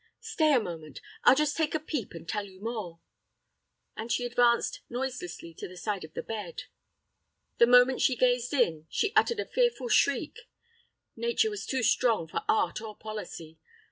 "Stay a moment: I'll just take a peep and tell you more;" and she advanced noiselessly to the side of the bed. The moment she gazed in, she uttered a fearful shriek. Nature was too strong for art or policy.